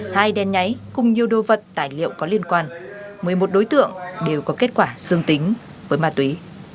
hai đen nháy cùng nhiều đồ vật tài liệu có liên quan một mươi một đối tượng đều có kết quả dương tính với ma túy